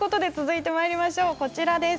こちらです。